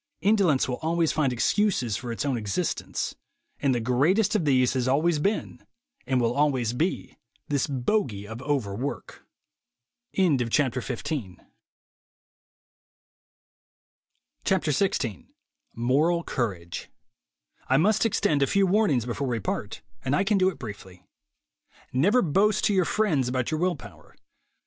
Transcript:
Indolence will always find excuses for its own existence ; and the greatest of these has always been, and will always be, this bogey of "overwork." XVI MORAL COURAGE T MUST extend a few warnings before we part, *• and I can do it briefly. Never boast to your friends about your will power.